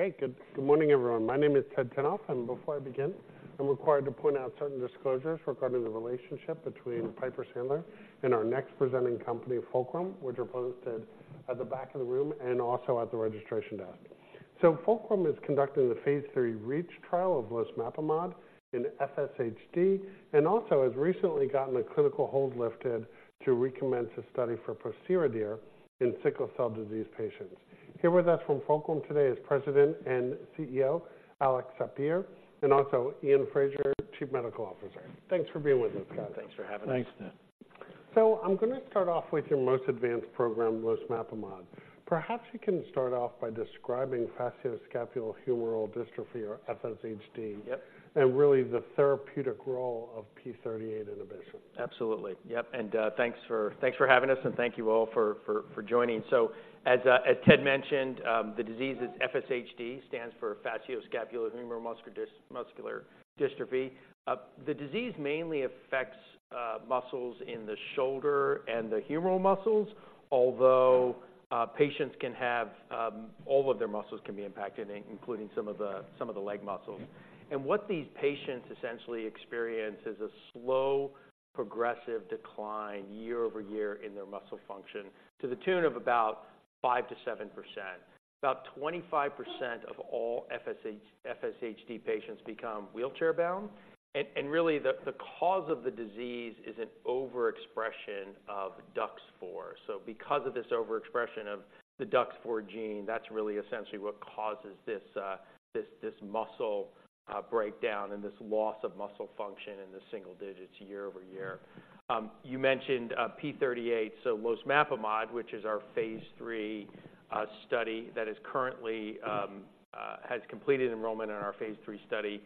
Great, good, good morning, everyone. My name is Ted Tenthoff, and before I begin, I'm required to point out certain disclosures regarding the relationship between Piper Sandler and our next presenting company, Fulcrum, which are posted at the back of the room and also at the registration desk. So Fulcrum is conducting the phase III REACH trial of losmapimod in FSHD and also has recently gotten a clinical hold lifted to recommence a study for pociredir in sickle cell disease patients. Here with us from Fulcrum today is President and CEO, Alex Sapir, and also Iain Fraser, Chief Medical Officer. Thanks for being with us. Thanks for having us. Thanks, Ted. So I'm going to start off with your most advanced program, losmapimod. Perhaps you can start off by describing facioscapulohumeral dystrophy, or FSHD- Yep. and really the therapeutic role of p38 inhibition. Absolutely. Yep, and, thanks for, thanks for having us, and thank you all for joining. So as Ted mentioned, the disease is FSHD, stands for facioscapulohumeral muscular dystrophy. The disease mainly affects muscles in the shoulder and the humeral muscles, although patients can have... All of their muscles can be impacted, including some of the leg muscles. Mm-hmm. What these patients essentially experience is a slow, progressive decline year-over-year in their muscle function, to the tune of about 5%-7%. About 25% of all FSH, FSHD patients become wheelchair-bound, and really, the cause of the disease is an overexpression of DUX4. So because of this overexpression of the DUX4 gene, that's really essentially what causes this this muscle breakdown and this loss of muscle function in the single digits year-over-year. You mentioned p38, so losmapimod, which is our phase III study that is currently has completed enrollment in our phase III study.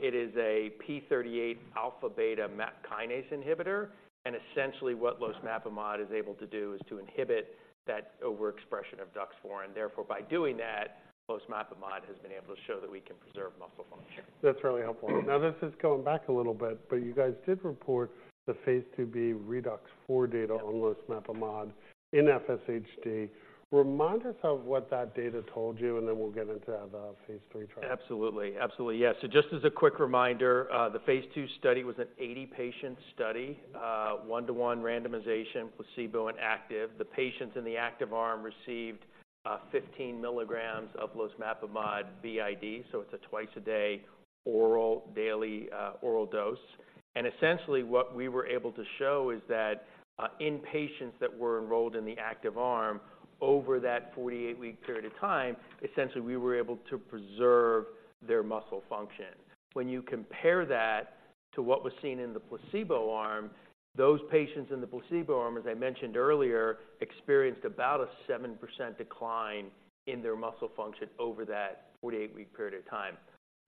It is a p38 alpha/beta MAP kinase inhibitor, and essentially what losmapimod is able to do is to inhibit that overexpression of DUX4, and therefore, by doing that, losmapimod has been able to show that we can preserve muscle function. That's really helpful. Now, this is going back a little bit, but you guys did report the phase IIb ReDUX4 data- Yep on losmapimod in FSHD. Remind us of what that data told you, and then we'll get into the phase III trial. Absolutely. Absolutely. Yeah. So just as a quick reminder, the phase II study was an 80-patient study, 1-to-1 randomization, placebo and active. The patients in the active arm received, 15 milligrams of losmapimod BID, so it's a twice-a-day oral, daily, oral dose. And essentially, what we were able to show is that, in patients that were enrolled in the active arm over that 48-week period of time, essentially, we were able to preserve their muscle function. When you compare that to what was seen in the placebo arm, those patients in the placebo arm, as I mentioned earlier, experienced about a 7% decline in their muscle function over that 48-week period of time.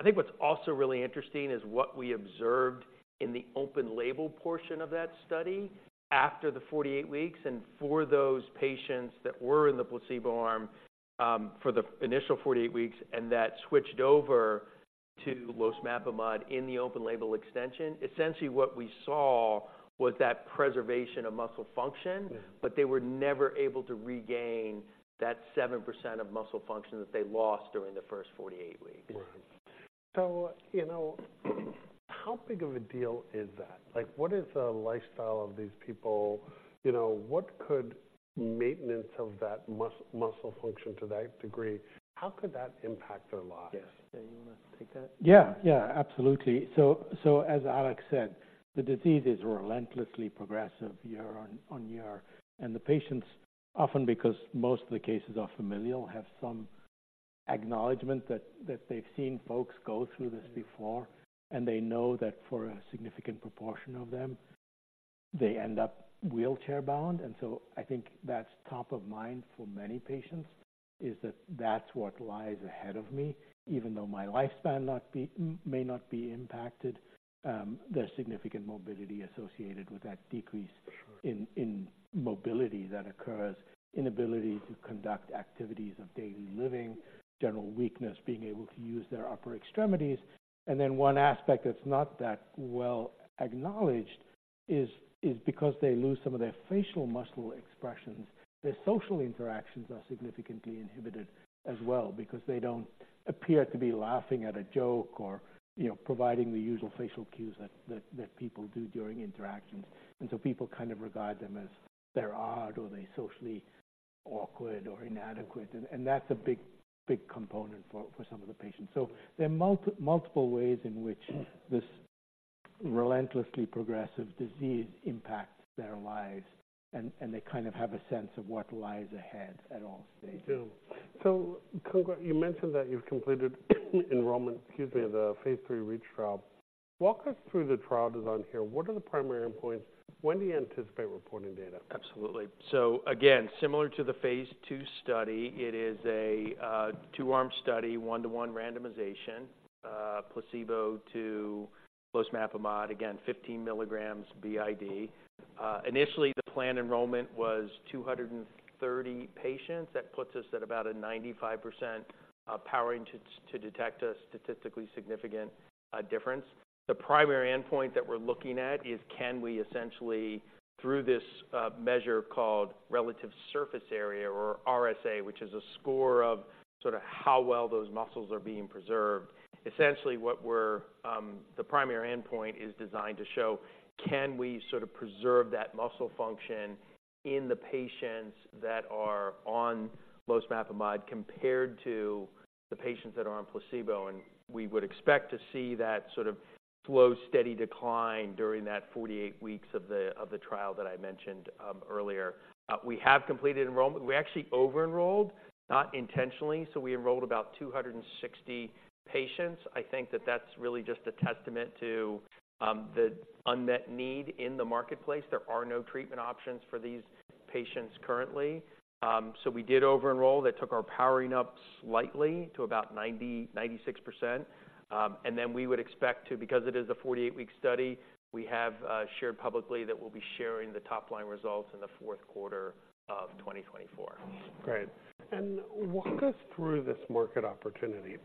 I think what's also really interesting is what we observed in the open label portion of that study after the 48 weeks, and for those patients that were in the placebo arm, for the initial 48 weeks, and that switched over to losmapimod in the open label extension. Essentially, what we saw was that preservation of muscle function- Mm-hmm. But they were never able to regain that 7% of muscle function that they lost during the first 48 weeks. Right. So, you know, how big of a deal is that? Like, what is the lifestyle of these people? You know, what could maintenance of that muscle function to that degree, how could that impact their lives? Yes. Iain, you want to take that? Yeah, yeah, absolutely. So as Alex said, the disease is relentlessly progressive year on year, and the patients, often because most of the cases are familial, have some acknowledgment that they've seen folks go through this before, and they know that for a significant proportion of them, they end up wheelchair-bound. And so I think that's top of mind for many patients, is that that's what lies ahead of me, even though my lifespan may not be impacted. There's significant mobility associated with that decrease- Sure... in mobility that occurs, inability to conduct activities of daily living, general weakness, being able to use their upper extremities. And then one aspect that's not that well acknowledged is because they lose some of their facial muscle expressions, their social interactions are significantly inhibited as well, because they don't appear to be laughing at a joke or, you know, providing the usual facial cues that people do during interactions. And so people kind of regard them as they're odd, or they're socially awkward or inadequate, and that's a big, big component for some of the patients. So there are multiple ways in which this relentlessly progressive disease impacts their lives, and they kind of have a sense of what lies ahead at all stages. Yeah. So you mentioned that you've completed enrollment, excuse me, of the phase III REACH trial. Walk us through the trial design here. What are the primary endpoints? When do you anticipate reporting data? Absolutely. So again, similar to the phase II study, it is a two-arm study, one-to-one randomization, placebo to losmapimod, again, 15 milligrams BID. Initially, the planned enrollment was 230 patients. That puts us at about a 95% powering to detect a statistically significant difference. The primary endpoint that we're looking at is can we essentially, through this measure called relative surface area or RSA, which is a score of sort of how well those muscles are being preserved. Essentially, what we're The primary endpoint is designed to show can we sort of preserve that muscle function in the patients that are on losmapimod compared to the patients that are on placebo, and we would expect to see that sort of slow, steady decline during that 48 weeks of the trial that I mentioned earlier. We have completed enrollment. We actually over-enrolled, not intentionally, so we enrolled about 260 patients. I think that that's really just a testament to, the unmet need in the marketplace. There are no treatment options for these patients currently. So we did over-enroll. That took our powering up slightly to about 96%. And then we would expect to, because it is a 48-week study, we have, shared publicly that we'll be sharing the top-line results in the fourth quarter of 2024. Great. And walk us through this market opportunity.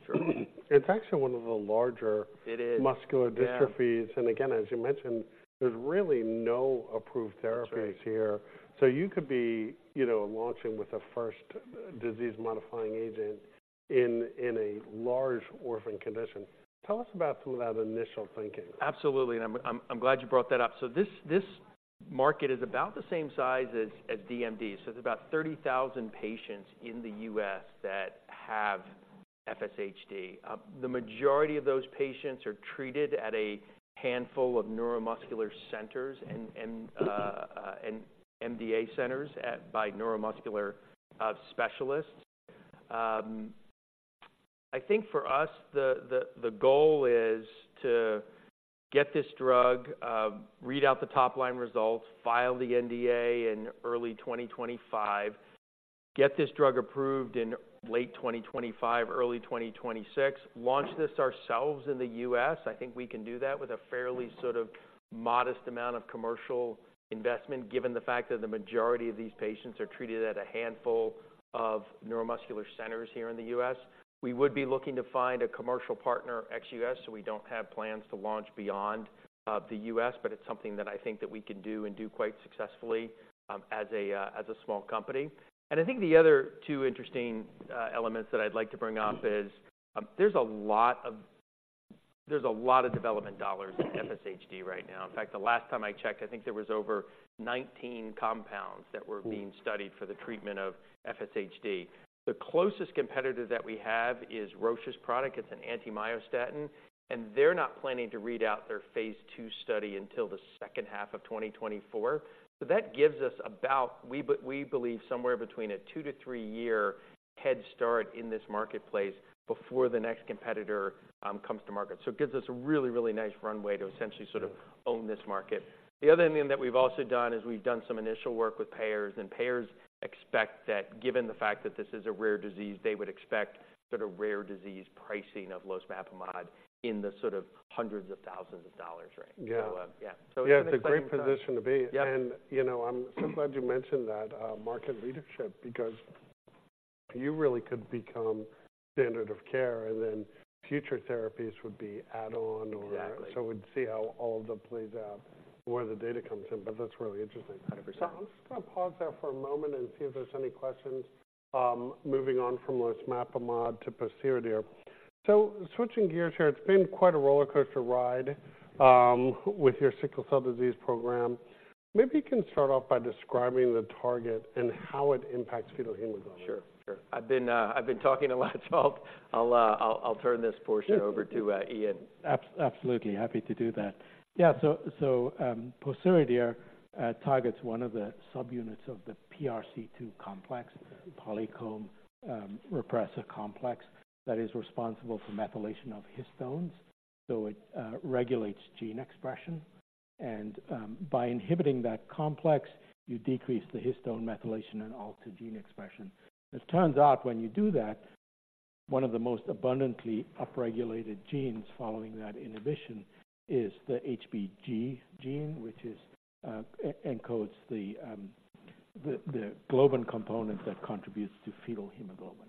It's actually one of the larger- It is. -muscular dystrophies. Yeah. Again, as you mentioned, there's really no approved therapies- That's right. So you could be, you know, launching with a first disease-modifying agent in a large orphan condition. Tell us about some of that initial thinking. Absolutely, and I'm glad you brought that up. So this market is about the same size as DMD, so there's about 30,000 patients in the U.S. that have FSHD. The majority of those patients are treated at a handful of neuromuscular centers and MDA centers by neuromuscular specialists. I think for us, the goal is to get this drug read out the top-line results, file the NDA in early 2025, get this drug approved in late 2025, early 2026, launch this ourselves in the U.S. I think we can do that with a fairly sort of modest amount of commercial investment, given the fact that the majority of these patients are treated at a handful of neuromuscular centers here in the U.S. We would be looking to find a commercial partner, ex-US, so we don't have plans to launch beyond the US. But it's something that I think that we can do and do quite successfully as a small company. And I think the other two interesting elements that I'd like to bring up is there's a lot of development dollars in FSHD right now. In fact, the last time I checked, I think there was over 19 compounds that were- Ooh! being studied for the treatment of FSHD. The closest competitor that we have is Roche's product. It's an anti-myostatin, and they're not planning to read out their phase II study until the second half of 2024. So that gives us about, we believe, somewhere between a 2-3-year head start in this marketplace before the next competitor comes to market. So it gives us a really, really nice runway to essentially sort of- Mm-hmm. Own this market. The other thing that we've also done is we've done some initial work with payers, and payers expect that, given the fact that this is a rare disease, they would expect sort of rare disease pricing of losmapimod in the sort of hundreds of thousands of dollars range. Yeah. So, yeah. So it's an exciting time- Yeah, it's a great position to be. Yeah. You know, I'm so glad you mentioned that, market leadership, because you really could become standard of care, and then future therapies would be add-on or- Exactly. We'd see how all of that plays out, where the data comes in, but that's really interesting. Hundred percent. So I'm just going to pause there for a moment and see if there's any questions, moving on from losmapimod to pociredir. So switching gears here, it's been quite a rollercoaster ride, with your sickle cell disease program. Maybe you can start off by describing the target and how it impacts fetal hemoglobin. Sure, sure. I've been talking a lot, so I'll turn this portion over to Iain. Absolutely. Happy to do that. Yeah, so, so, pociredir targets one of the subunits of the PRC2 complex, polycomb repressor complex, that is responsible for methylation of histones, so it regulates gene expression. And by inhibiting that complex, you decrease the histone methylation and alter gene expression. As it turns out, when you do that, one of the most abundantly upregulated genes following that inhibition is the HBG gene, which encodes the globin component that contributes to fetal hemoglobin.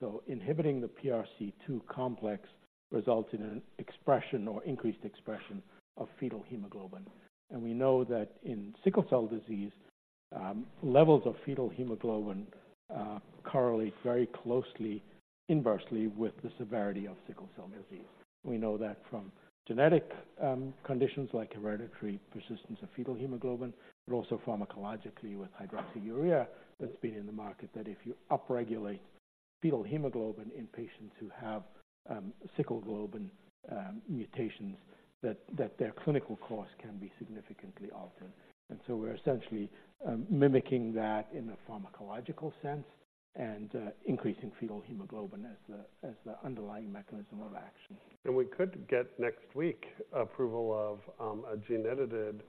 So inhibiting the PRC2 complex results in an expression or increased expression of fetal hemoglobin. And we know that in sickle cell disease, levels of fetal hemoglobin correlate very closely inversely with the severity of sickle cell disease. We know that from genetic conditions like hereditary persistence of fetal hemoglobin, but also pharmacologically with hydroxyurea that's been in the market, that if you upregulate fetal hemoglobin in patients who have sickle globin mutations, that their clinical course can be significantly altered. And so we're essentially mimicking that in a pharmacological sense and increasing fetal hemoglobin as the underlying mechanism of action. We could get next week approval of a gene-edited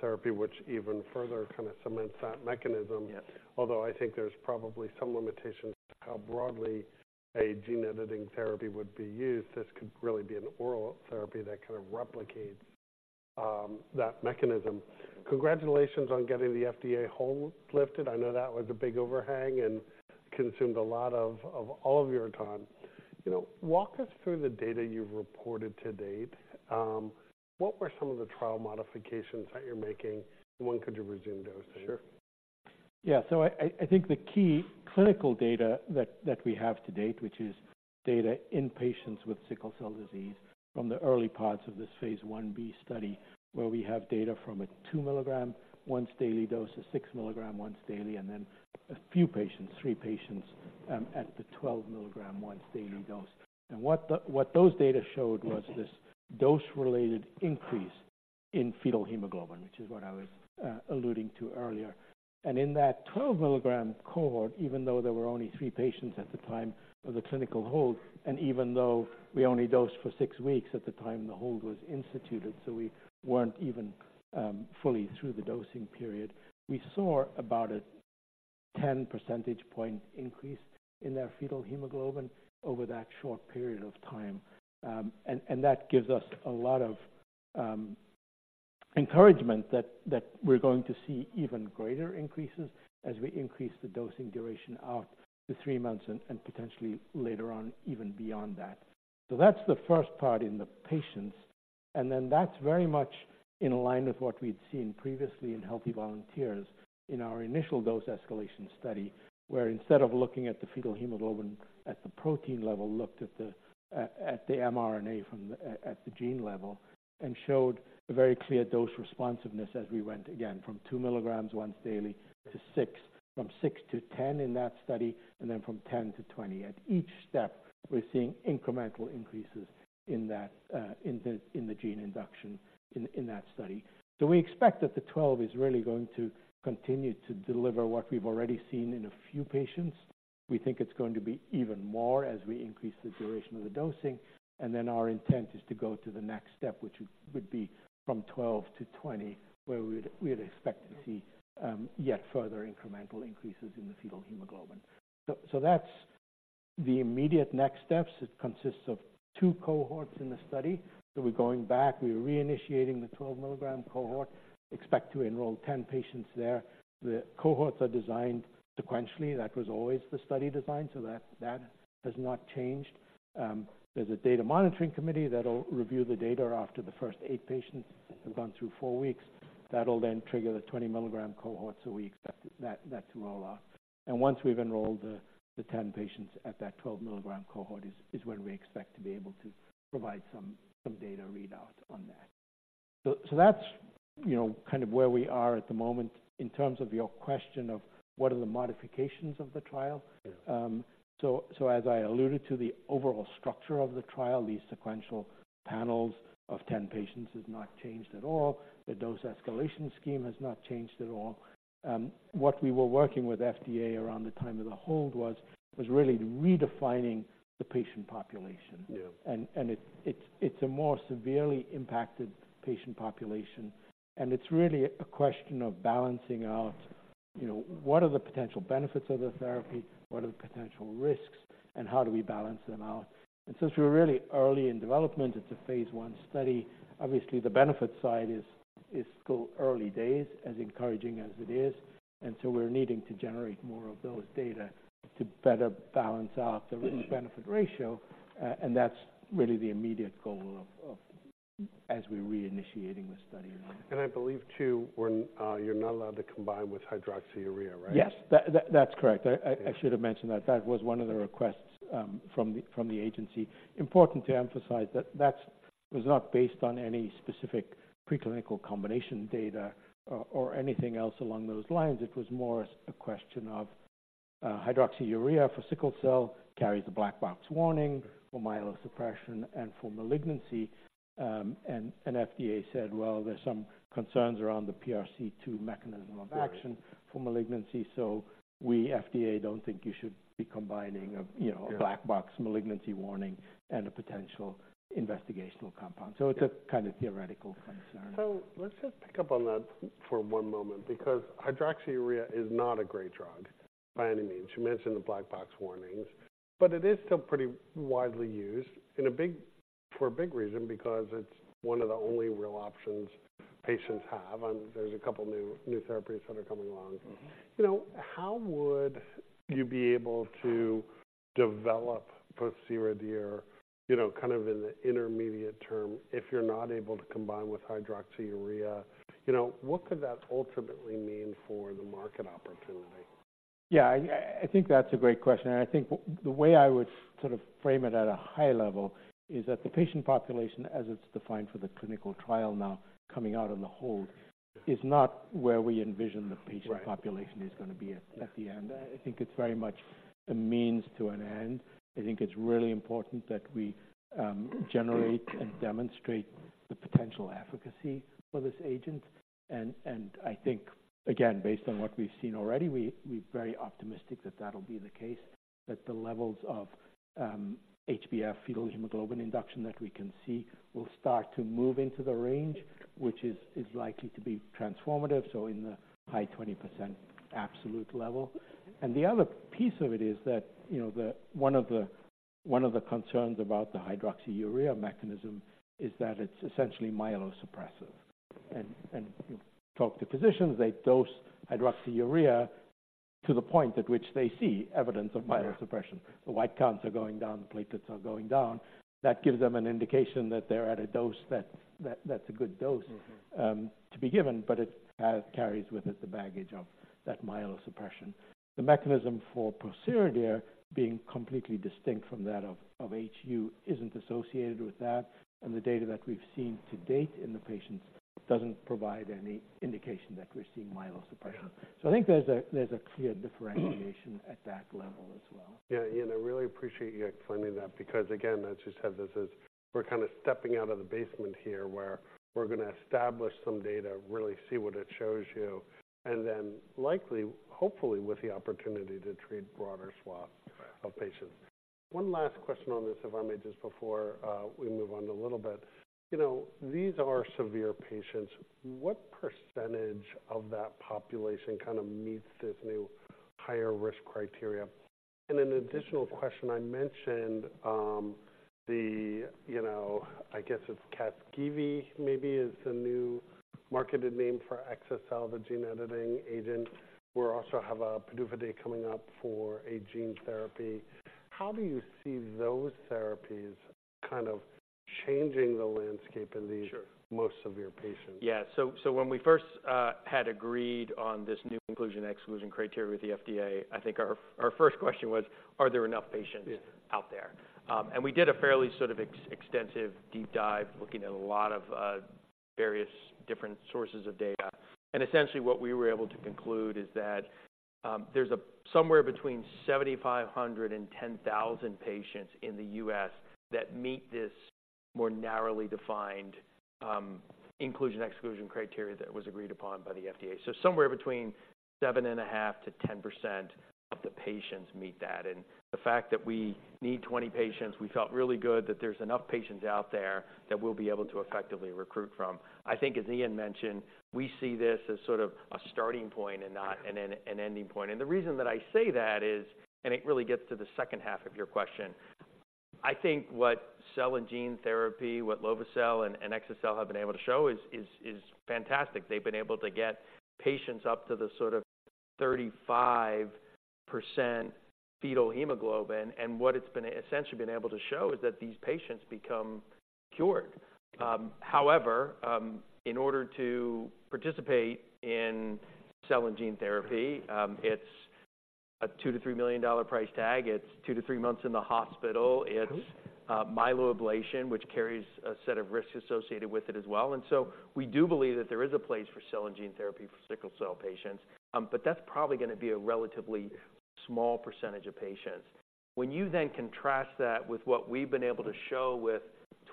therapy, which even further kind of cements that mechanism. Yes. Although I think there's probably some limitations to how broadly a gene-editing therapy would be used, this could really be an oral therapy that kind of replicates that mechanism. Congratulations on getting the FDA hold lifted. I know that was a big overhang and consumed a lot of, of all of your time. You know, walk us through the data you've reported to date. What were some of the trial modifications that you're making, and when could you resume dosing? Sure. Yeah, so I think the key clinical data that we have to date, which is data in patients with sickle cell disease from the early parts of this phase Ib study, where we have data from a 2 milligram once daily dose, a 6 milligram once daily, and then a few patients, 3 patients, at the 12 milligram once daily dose. And what those data showed was this dose-related increase in fetal hemoglobin, which is what I was alluding to earlier. And in that 12 milligram cohort, even though there were only 3 patients at the time of the clinical hold, and even though we only dosed for 6 weeks at the time the hold was instituted, so we weren't even fully through the dosing period. We saw about a 10 percentage point increase in their fetal hemoglobin over that short period of time. And that gives us a lot of encouragement that we're going to see even greater increases as we increase the dosing duration out to three months and potentially later on, even beyond that. So that's the first part in the patients, and then that's very much in line with what we'd seen previously in healthy volunteers in our initial dose escalation study. Where instead of looking at the fetal hemoglobin at the protein level, looked at the mRNA from the gene level, and showed a very clear dose responsiveness as we went again from 2 milligrams once daily to 6, from 6 to 10 in that study, and then from 10 to 20. At each step, we're seeing incremental increases in that, in the gene induction in that study. So we expect that the 12 is really going to continue to deliver what we've already seen in a few patients. We think it's going to be even more as we increase the duration of the dosing, and then our intent is to go to the next step, which would be from 12 to 20, where we'd expect to see yet further incremental increases in the fetal hemoglobin. So that's the immediate next steps. It consists of two cohorts in the study. So we're going back, we're reinitiating the 12 milligram cohort. Expect to enroll 10 patients there. The cohorts are designed sequentially. That was always the study design, so that has not changed. There's a data monitoring committee that'll review the data after the first eight patients have gone through four weeks. That'll then trigger the 20 milligram cohort, so we expect that to roll off. And once we've enrolled the ten patients at that 12 milligram cohort is when we expect to be able to provide some data readout on that. So that's, you know, kind of where we are at the moment. In terms of your question of what are the modifications of the trial- Yeah. So, as I alluded to, the overall structure of the trial, these sequential panels of 10 patients, has not changed at all. The dose escalation scheme has not changed at all. What we were working with FDA around the time of the hold was really redefining the patient population. Yeah. It's a more severely impacted patient population, and it's really a question of balancing out, you know, what are the potential benefits of the therapy? What are the potential risks, and how do we balance them out? Since we're really early in development, it's a phase I study. Obviously, the benefit side is still early days, as encouraging as it is, and so we're needing to generate more of those data to better balance out the risk-benefit ratio, and that's really the immediate goal of as we're reinitiating the study. I believe, too, when you're not allowed to combine with hydroxyurea, right? Yes, that, that's correct. Yeah. I should have mentioned that. That was one of the requests. Sure... from the agency. Important to emphasize that that was not based on any specific preclinical combination data or anything else along those lines. It was more a question of hydroxyurea for sickle cell, carries a black box warning for myelosuppression and for malignancy. And FDA said, "Well, there's some concerns around the PRC2 mechanism of action- Right for malignancy, so we, FDA, don't think you should be combining of, you know- Yeah... a black box malignancy warning and a potential investigational compound. Yeah. So it's a kind of theoretical concern. So let's just pick up on that for one moment, because hydroxyurea is not a great drug by any means. You mentioned the black box warnings, but it is still pretty widely used in a big, for a big reason, because it's one of the only real options patients have, and there's a couple new therapies that are coming along. Mm-hmm. You know, how would you be able to develop pociredir, you know, kind of in the intermediate term, if you're not able to combine with hydroxyurea? You know, what could that ultimately mean for the market opportunity? Yeah, I, I think that's a great question, and I think the way I would sort of frame it at a high level is that the patient population, as it's defined for the clinical trial now coming out on the hold, is not where we envision the patient- Right population is going to be at the end. I think it's very much a means to an end. I think it's really important that we generate and demonstrate the potential efficacy for this agent, and I think, again, based on what we've seen already, we're very optimistic that that'll be the case. That the levels of HbF, fetal hemoglobin induction that we can see will start to move into the range which is likely to be transformative, so in the high 20% absolute level. And the other piece of it is that, you know, the... One of the... One of the concerns about the hydroxyurea mechanism is that it's essentially myelosuppressive. And you talk to physicians, they dose hydroxyurea to the point at which they see evidence of myelosuppression. Right. The white counts are going down, the platelets are going down. That gives them an indication that they're at a dose that's a good dose- Mm-hmm. to be given, but it has, carries with it the baggage of that myelosuppression. The mechanism for pociredir being completely distinct from that of HU isn't associated with that, and the data that we've seen to date in the patients doesn't provide any indication that we're seeing myelosuppression. Yeah. I think there's a clear differentiation at that level as well. Yeah, Iain, I really appreciate you explaining that, because again, as you said, this is we're kind of stepping out of the basement here, where we're going to establish some data, really see what it shows you, and then likely, hopefully, with the opportunity to treat broader swaths- Right -of patients. One last question on this, if I may, just before we move on a little bit. You know, these are severe patients. What percentage of that population kind of meets this new higher risk criteria? And an additional question, I mentioned, the, you know, I guess it's CASGEVY, maybe is the new marketed name for exa-cel, the gene editing agent. We're also have a PDUFA date coming up for a gene therapy. How do you see those therapies kind of changing the landscape in these- Sure. More severe patients? Yeah, so when we first had agreed on this new inclusion/exclusion criteria with the FDA, I think our first question was: Are there enough patients- Yeah -out there? And we did a fairly sort of extensive deep dive, looking at a lot of various different sources of data. And essentially, what we were able to conclude is that there's somewhere between 7,500 and 10,000 patients in the U.S. that meet this more narrowly defined inclusion/exclusion criteria that was agreed upon by the FDA. So somewhere between 7.5% to 10% of the patients meet that. And the fact that we need 20 patients, we felt really good that there's enough patients out there that we'll be able to effectively recruit from. I think as Iain mentioned, we see this as sort of a starting point and not an ending point. The reason that I say that is, and it really gets to the second half of your question, I think what cell and gene therapy, what lovo-cel and exa-cel have been able to show is fantastic. They've been able to get patients up to the sort of 35% fetal hemoglobin, and what it's essentially been able to show is that these patients become cured. However, in order to participate in cell and gene therapy, it's a $2-3 million price tag. It's 2-3 months in the hospital. Right. It's myeloablation, which carries a set of risks associated with it as well. And so we do believe that there is a place for cell and gene therapy for sickle cell patients, but that's probably going to be a relatively small percentage of patients. When you then contrast that with what we've been able to show with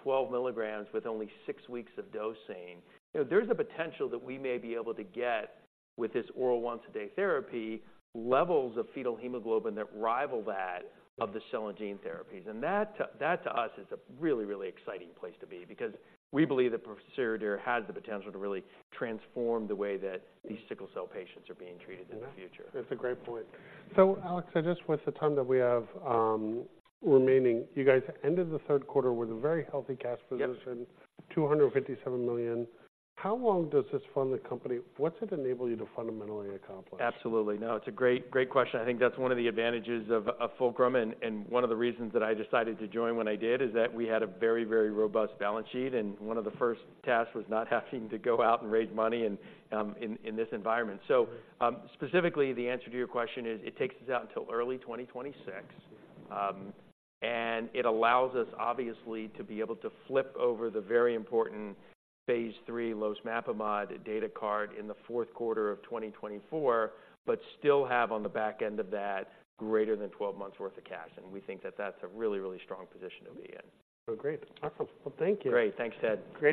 12 milligrams, with only six weeks of dosing, you know, there's a potential that we may be able to get with this oral once a day therapy, levels of fetal hemoglobin that rival that of the cell and gene therapies. And that to, that to us, is a really, really exciting place to be because we believe that pociredir has the potential to really transform the way that these sickle cell patients are being treated in the future. That's a great point. So Alex, I just, with the time that we have, remaining, you guys ended the third quarter with a very healthy cash position. Yep. $257 million. How long does this fund the company? What's it enable you to fundamentally accomplish? Absolutely. No, it's a great, great question. I think that's one of the advantages of Fulcrum, and one of the reasons that I decided to join when I did, is that we had a very, very robust balance sheet, and one of the first tasks was not having to go out and raise money in this environment. So, specifically, the answer to your question is it takes us out until early 2026. And it allows us, obviously, to be able to flip over the very important phase III losmapimod data card in the fourth quarter of 2024, but still have on the back end of that, greater than 12 months' worth of cash. And we think that that's a really, really strong position to be in. Well, great. Awesome. Well, thank you. Great. Thanks, Ted. Great-